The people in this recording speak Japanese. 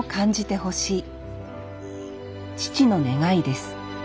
父の願いです